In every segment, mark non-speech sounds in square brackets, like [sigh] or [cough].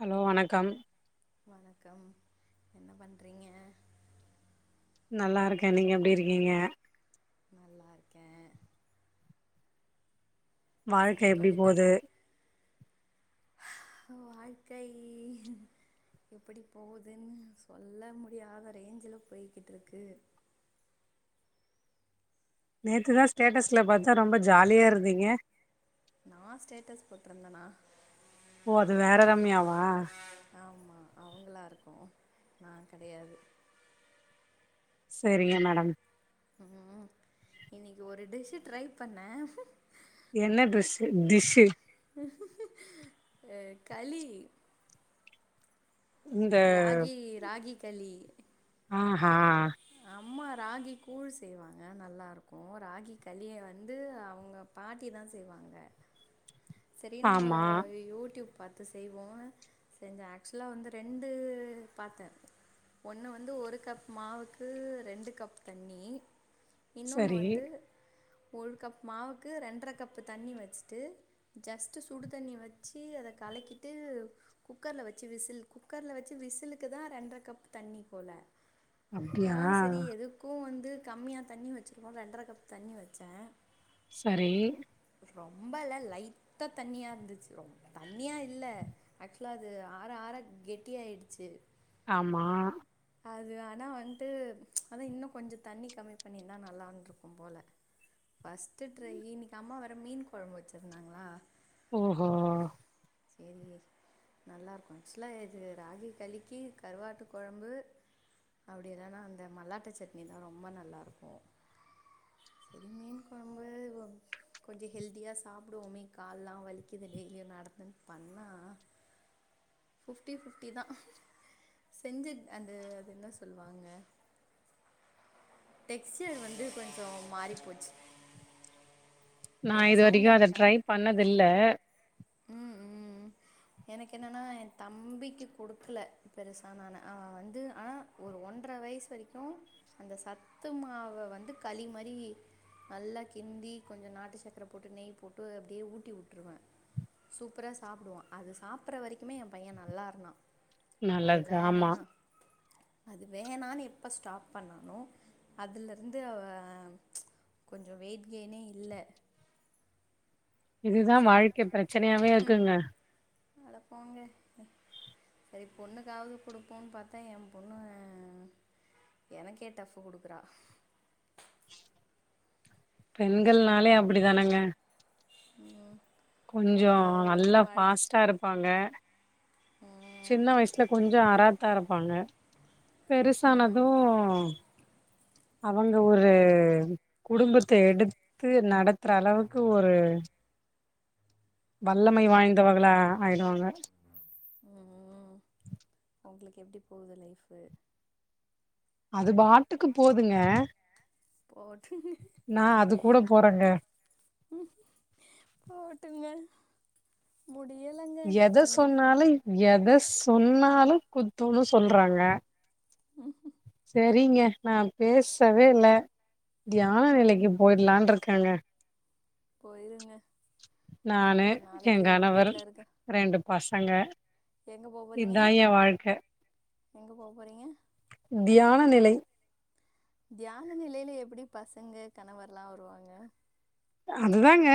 Hello வணக்கம் வணக்கம் என்ன பண்றீங்க நல்லாருக்கே நீங்க எப்டி இருக்கீங்க நல்லார்க்கே பசங்க வாழ்க்க எப்டி போது தூங்கிட்டாங்க வாழ்க்கை எப்படி போவுதுன்னு சொல்ல முடியாத ரேஞ்சுல பொய்கிட்டு இர்க்கு நேத்துதா ஸ்டேட்டஸ்ல பாத்த ரொம்ப ஜாலியா இருந்தீங்க நா ஸ்டேட்டஸ் போட்ருந்தனா ஓ அது வேற ரம்யாவா ஆம்மா அவுங்களாருக்கு நா கெடயாது செரிங்க மேடம் ம் இன்னிக்கு ஒரு டிஷ் ட்ரை பண்னெ என்ன ட்ரெஸ்சு டிஷ்க்ஷூ உ களி இந்த ராகி ராகி களி அஹ அம்மா ராகி கூழ் செய்வாங்க நல்லாருக்கு ராகி கலிய வந்து அவுங்க பாட்டி தா செய்வாங்க [inaudible] சரி நம்ம ஆமா யூடியூப் பாத்து செய்வோ செஞ்ச ஆக்சுலா வந்து ரெண்டு பாத்த ஒன்னு வந்து ஒரு கப் மாவுக்கு ரெண்டு கப் தண்ணி இன்னொன் சரி வந்து ஒரு கப் மாவுக்கு ரெண்டர கப் தண்ணி வச்சுட்டு ஜஸ்ட்டு சுடு தண்ணி வச்சு அத கலக்கிட்டு குக்கர்ல வச்சு விசில் குக்கர்ல வச்சு விசிலுக்கு தா ரெண்ட்ர கப் தண்ணி போல அப்டியா நான் செரி எதுக்கூ வந்து கம்மியாக தண்ணி வச்சுருவோ ரெண்டர கப் தண்ணி வச்செ சரி ரொம்பல்ல லைட்டா தண்ணியா இருந்துச்சு ரொ தண்ணியா இல்ல ஆக்சுலா அது ஆற ஆற கெட்டியாய்டுச்சு ஆம்மா அது ஆனா வந்ட்டு அதா இன்னு கொஞ்சொ தண்ணி கம்மி பண்ணிர்ரந்தா நல்லான்ருக்கும் போல ஃபஸ்ட்டு ட்ரை இன்னிக் அம்மா வேற மீன் கொழம்பு வச்சிருந்தாங்களா ஓஹோ சேரி நல்லாருக்கூ சுலா இது ராகி களிக்கி கருவாட்டு கொழம்பு அப்டி இல்லன்னா அந்த மல்லாட்ட சட்னி தா ரொம்ப நல்லாருக்கூ செரி மீன் கொழம்பு வெப் கொஞ்சோ ஹெல்தியா சாப்டுவோமே கால்லா வலிக்குலே டெய்லியு நடந்து பண்ணா ஃபிப்டி ஃபிப்டி தா செஞ்சத் அந்த அது என்ன சொல்லுவாங்க டெக்சியர் வந்து கொஞ்சோ மாறி போச்சு நா ஏதா இது வரைக்கு சவுண்டாக அத இருக்கா ட்ரை பண்ணது இல்ல ம் ம் எனக்கு என்னன்னா என் தம்பிக்கு குடுக்கல பெருசா நானு அவன் வந்து ஆனா ஒரு ஒன்ரை வயசு வரைக்கும் அந்த சத்துமாவ வந்து களி மாறி நல்லா கிண்டி கொஞ்சோ நாட்டு சக்கர போட்டு நெய் போட்டு அப்டியே ஊட்டி உட்டுருவ சூப்பரா சாப்புடுவா அது சாப்பற்ற வரைக்குமே என் பையன் நல்லா இருந்தா அது நல்லது வேணா ஆமா அது வேணான்னு எப்ப ஸ்டாப் பண்ணானோ அதுல இருந்து அவன் கொஞ்சோ வெயிட் கேயினே இல்ல இதுதா சரி வாழ்க்கை பிரச்சனையாவே இருக்குங்க அட போங்க அ சரி பொண்ணுக்காவது குடுப்போன்னு பாத்தா என் பொண்ணு எனக்கே டஃப் குடுக்கறா பெண்கள்னாலே அப்டி தானங்க ம் கொஞ்சோ உங்க உங்க நல்லா வாழ்க்கை ஃபாஸ்ட்டா இருப் பாங்க ம், சின்ன வயசுல கொஞ்சோ அராத்தா இருப்பாங்க ம், பெருசானதும் அவங்க ஒரு குடும்பத்த எடுத்து நடத்துற அளவுக்கு ஒரு வல்லமை வாய்ந்தவங்ளா ஆயிடுவாங்க ம் ம் உங்களுக்கு எப்டி போகுது லைஃப்பு அது பாட்டுக்கு போதுங்க போட்டு நா அது கூட போறேங்க ம் போட்டுங்க முடியலங்க எத நீங்க சொன்னாலு எத சொன்னாலு குத்தோன்னு சொல்றாங்க சே ரிங்க நா பேசவே இல்ல தியான ம் நிலைக்கு போயிட்லான்னு இருக்கேங்க போயிருங்க நானு கொஞ்சம் நாளைக்கு என் உங்கள் கணவர் வீட்டில் ரெண்டு பசங்க எங்க போ போறீங்க இதா என் வாழ்க்க எங்க போ போறீங்க தியான நிலை தியான நிலையில எப்டி பசங்க கணவர்ல்லா வருவாங்க அதுதாங்க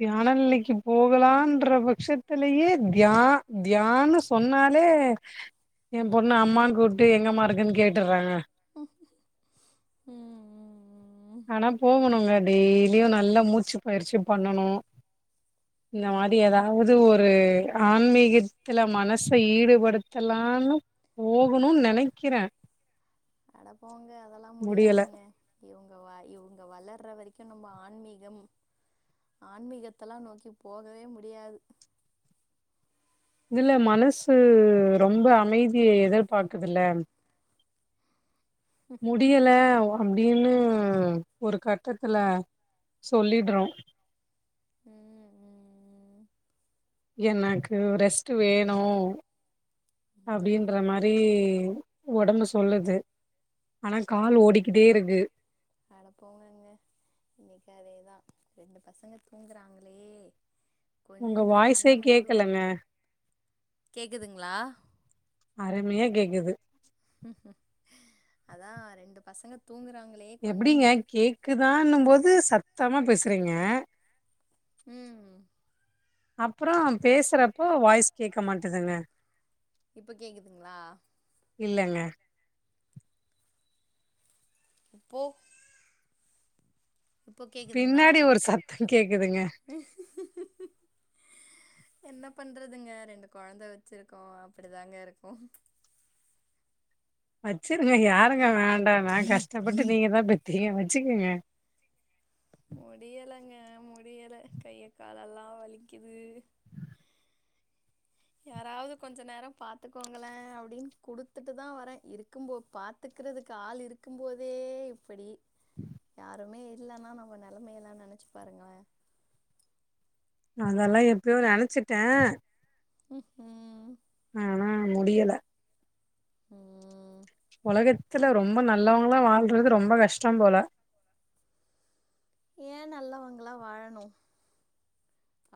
தியான நிலைக்கு போகலான்ற பட்சத்துலயே தியா தியான்னு சொன்னாலே என் பொண்ணு அம்மான்னு கூப்ட்டு எங்கமா இருக்கன்னு கேட்டற்றாங்க ம் ம், ஆனா போகணுங்க டெய்லியு நல்லா மூச்சு பயிற்சி பண்ணனு இந்த ம், மாறி ம். ஏதாவது ஒ ரு ஆன்மீகத்துல மனச ஈடுபடுத்தலான்னு போகுணுன்னு நெனைக்கிறே அட போங்க அதெல்லா முடியல முடியாதுங்க இவங்க வா இவங்க வளர்ற வரைக்கு நம்ப ஆன்மீகம் ஆன்மீகத்தெல்லா நோக்கி போகவே முடியாது இதுல மனசு ரொம்ப அமைதிய எதிர்பாக்குதுல்ல முடியல அப்டின்னு ஒரு கட்டத்துல சொல்லிட்றோ ம் ம் ம் என்னக்கு ரெஸ்ட் வேணு அப்டின் ன்ற ம் மாரி ஒடம்பு சொல்லுது ஆனா கால் ம் ஓடிக்கிட்டேருக்கு அட போங்கெங்க இன்னிக் அதேதா ரெண்டு பசங்க தூங்குறாங்களே உங்க கொஞ்சொ கண்ண வாய்ஸே மூடுவோ கேக்கலங்க கேக்கல கேக் கேக்குதுங்ளா அரும்யா கேக்குது அதா ரெண்டு பசங்க தூங்குறாங்களே கொஞ்சொ மரு [inaudible] கேக் குதான்னு போது சத்தமா பேசுறீங்க ம் அப்பற பேசுறப்போ வாய்ஸ் கேக்க மாட்டதுங்க இப்பொ கேக்குதுங்ளா இல்லங்க ப்போ பின்னாடி ஒரு சத்தொ கேக்குதுங்க என்ன பண்றதுங்க ரெண்டு கொழந்த வச்சுருக்கோ அப்புடிதாங்க இருக்கு வச்சுருங்க யாருங்க வேண்டான்னா கஷ்டப்பட்டு நீங்க தா பெத்தீங்க வச்சுகுங்க முடியலங்க முடியல கையக்காலல்லா வலிக்குது யாராவுது கொஞ்ச நேரொ பாத்துக்கோங்களே அப்படின் குடுத்துட்டு தா வரே இருக்கும் போ பாத் த்துக்கிறதுக்கு ஆள் இருக்கும் போதே இப்படி ருமே இல்லன்னா நம்ம நெலைமையல்லா நெனச்சு பாருங்கள அதெல்லா எப்பயோ நெனச்சிட்டே ம் ம் ஆனா முடியல ம் ஒலகத்துல ரொம்ப நல்லவஙளா வாழ்றது ரொம்ப கஷ்டொம்போல ஏ நல்லவங்களா வாழணு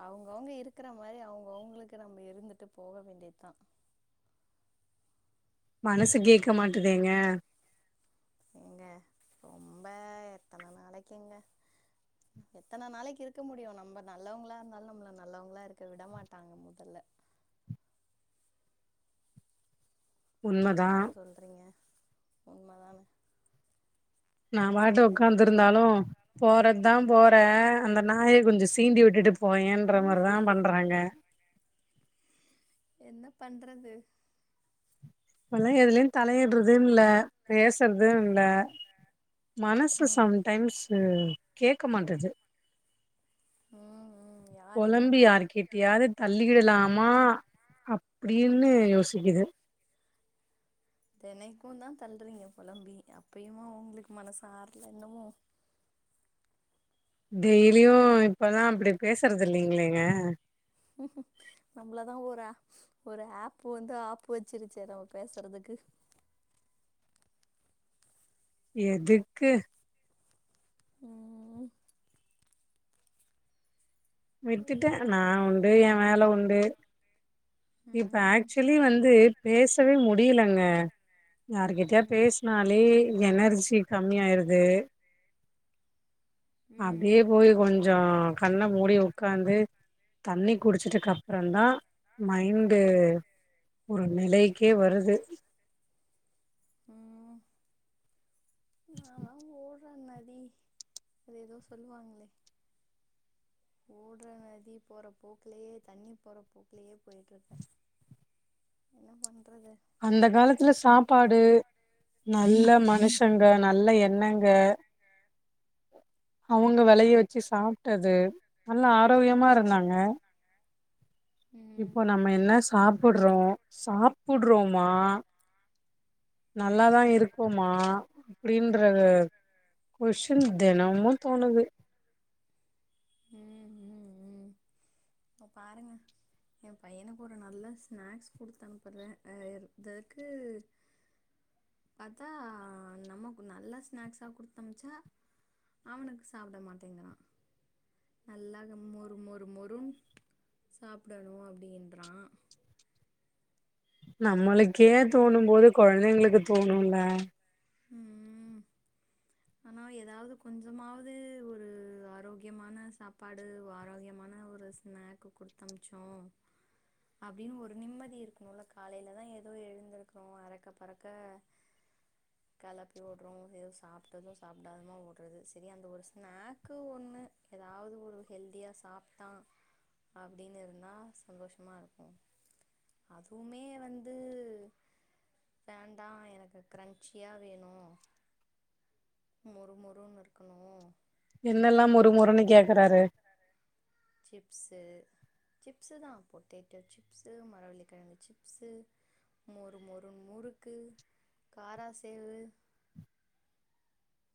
அவங்கவுங்க இருக்கற மாரி அவங்கவுங்களுக்கு நம்ப இருந்துட்டு போக வேண்டியதா மனசு கேக்க மாட்டுதேங்க ஏங்க ரொம்ப எத்தன நாளைக்குங்க எத்தன நாளைக்கு இருக்க முடியு நம்ப நல்லவங்களா இர்ந்தாலு நம்மள நல்லவங்களா இருக்க விட மாட்டாங்க முதல்ல உண்மதா என்ன சொல்றீங்க உண்மதான நா பாட்டு உக்காந்துருந்தாலு போறது தா போற அந்த நாய கொஞ்சொ சீண்டி விட்டுட்டுப் போயன்ற மார் தா பண்றாங்க என்னப் பண்றது இப்பல எதுலியு தலையிடுறது இல்ல பேசற்து இல்ல மனசு ம் சம்டைம்ஸ்சு கேக்க மாட்டுது ம் ம் யார் என்ன பொலம்பி பண்ணா யார்கிட்டயாது தள்ளிக்கிடலாம்மா அப்டின்னு யோசிக்குது தெனைக்குந்தா தள்றீங்க பொலம்பி அப்பயுமா உங்ளுக்கு மனஸ் ஆற்ல இன்னமு டெய்லியு இப்பல்லா அப்டி பேசற்து இல்லிங்லேங்க நம்மள தா ஒரு ஆ ஒரு ஹேப்பு வந்து ஆப்பு வச்சிருச்சே நம்ம பேசறதுக்கு எதுக்கு ம் விட்டுட்டே ஐயோ நா உண்டு எ வேல உண்டு இப்ப ம் ஆக்சுவலி வந்து பேசவே முடியலங்க யாருக்கிட்டயா ம் பேசுனா னாலே எனர்ஜி கம்மி ஆயிருது ம் அப்டியே போய் கொஞ்சோ கண்ண மூடி உக்காந்து தண்ணி குடிச்சிட்டுகப்றந்தா மைண்ட்டு ஒரு நிலைக்கே வருது ம் நால்லா ஓட்ற நதி அது ஏதோ சொல்லுவாங்களே [inaudible] ஓட்ற நதி போற போக்குலயே தண்ணி போற போக்குலயே போயிட்டு இருக்கே என்ன பண்றது அந்த காலத்துல சாப்பாடு நல்ல மனுஷங்க நல்ல எண்ணங்க அவங்க வெலைய வச்சு சாப்ட்டது நல்லா ஆரோக்கியமா இருந்தாங்க ம் இப்போ நம்ம என்ன சாப்பிட்றோ சாப்புட்றோமா நல்லாதா இருக்கோமா இப்டின்றது கொஷ்டின் தெனமு தோணுது ம் ம் ம் ஓ பாருங்க என் பையனுக்கு ஒரு நல்ல ஸ்நேக்ஸ் குடுத்து அனுப்புறே எ தக்கு பாத்தா நமக்கு நல்ல ஸ்நாக்ஸா குடுத்தனிப்ச்சா அவனுக்கு சாப்ட மாட்டேங்கிறா நல்லாக மொறு மொறு மொறும் சாப்டணு அப்டின்றா நம்மளுக்கே தோணும் போது கொழந்தைங்களுக்கு தோணுல்ல ம் ஆனா ஏதாவது கொஞ்சமாவது ஒரு ஆரோக்கியமான சாப்பாடு ஒ ஆரோக்கியமான ஒரு ஸ்நேக்கு குடுத்தமிச்சோ அப்டின்னு ஒரு நிம்மதி இருக்கணுல்ல காலைல தா ஏதோ எழுந்திருக்றோ அறக்க பறக்க கெளப்பி வுட்றோ எதோ சாப்ட்டது சாப்டாமாதோ உட்றது சரி அந்த ஒரு ஸ்நேக்கு ஒன்னு ஏதாவது ஒரு ஹெல்த்தியா சாப்ட்டா அப்டின் இருந்தா சந்தோஷோ மா இருக்கும் அதுவுமே வந்து வேண்டா எனக்கு க்ரன்ச்சியா வேணு மொறு மொறுன்னு இருக்கணு என்னெல்லா மொறு மொறுன்னு கேக்கறாரு சிப்ஸ்சு சிப்ஸ்சு தா பொட்டேட்டோ சிப்ஸ்சு மரவள்ளிக்கெழங்கு சிப்ஸ்சு மொறு மொறுன்னு முறுக்கு காரா சேவு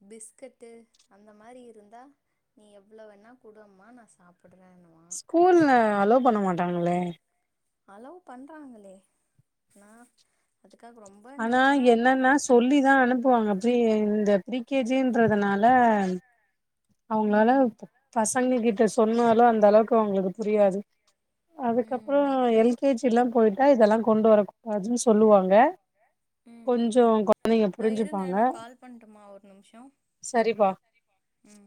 பிஸ்கட்டு அந்த மாறி இருந்தா நீ எவ்ளோ வேணா குடு அம்மா நா சாப்பிட்றேன்னுவா கூல்ல அலோவ் பண்ண மாட்டாங்களே அலோவ் பண்றாங்களே னா அதுக்காக ரொம்பன் இல்ல ஆனா சொல்லி தா அனுப்புவாங்க ப்ரி இந்த ப்ரீ கே ஜி ன்றதனால ம் அவ்ங்ளால ம் ப பசங்க கிட்ட சொன்னாலு அந்த அளவுக்கு அவ்ங்ளுக்கு புரியாது அதுக்கப்றோ ம் எல் கே ஜி ல்லா பொய்ட்டா இதெல்லா கொண்டு வரக்கூ துன் சொல்லுவாங்க ம் ம் கொஞ்சோ கொழந்தைங்க தோ இருங்க நா புரிஞ்சுப்பாங்க கால் பண்ட்டுமா ஒர் நிம்ஷோ சரிப்பா சரிங்க ம்